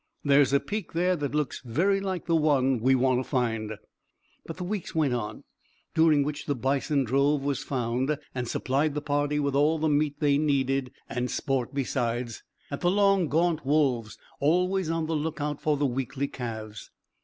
There's a peak there that looks very like the one we want to find." But the weeks went on, during which the bison drove was found, and supplied the party with all the meat they needed, and sport besides, at the long gaunt wolves always on the lookout for the weakly calves.